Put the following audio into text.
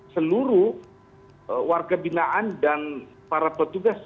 seluruh warga binaan dan para petugas